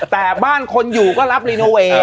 แต่บ้านคนอยู่ก็รับรีโนเวย์